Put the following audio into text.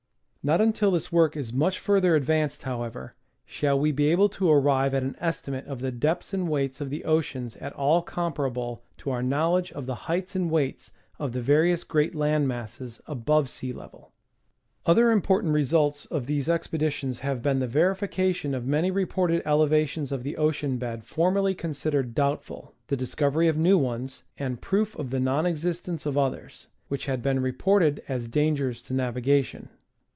Not until this work is much further ad vanced, however, shall we be able to arrive at an estimate of the depths and weights of the oceans at all comparable to our knowl edge of the heights and weights of the various great land masses above sea level. Other important results of these expeditions have been the verification of many reported elevations of the ocean bed formerly considered doubtful, the discovery of new ones, and proof of the non existence of others, which had been reported as dangers to navigation.